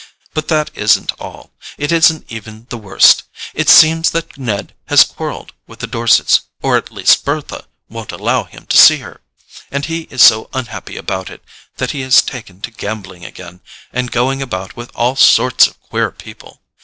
"But that isn't all; it isn't even the worst. It seems that Ned has quarrelled with the Dorsets; or at least Bertha won't allow him to see her, and he is so unhappy about it that he has taken to gambling again, and going about with all sorts of queer people.